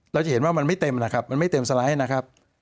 จะเห็นว่ามันไม่เต็มนะครับมันไม่เต็มสไลด์นะครับ